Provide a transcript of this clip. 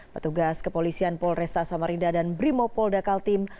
petugas kepolisian polresta samarinda dan brimo poldakaltim